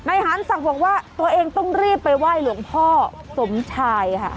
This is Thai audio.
หารศักดิ์บอกว่าตัวเองต้องรีบไปไหว้หลวงพ่อสมชายค่ะ